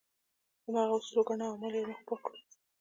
هماغه اصل وګڼو او اعمال یو مخ پاک کړو.